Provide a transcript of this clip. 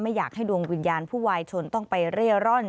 อยากให้ดวงวิญญาณผู้วายชนต้องไปเร่ร่อน